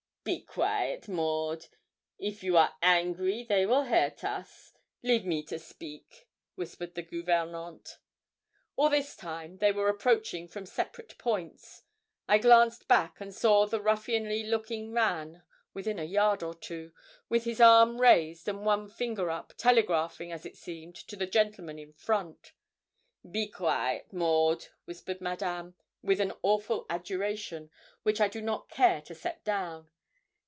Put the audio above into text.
'Be quaite, Maud. If you are angry, they will hurt us; leave me to speak,' whispered the gouvernante. All this time they were approaching from separate points. I glanced back, and saw the ruffianly looking man within a yard or two, with his arm raised and one finger up, telegraphing, as it seemed, to the gentlemen in front. 'Be quaite, Maud,' whispered Madame, with an awful adjuration, which I do not care to set down.